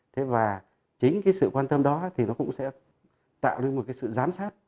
thế và chính cái sự quan tâm đó thì nó cũng sẽ tạo lên một cái sự giám sát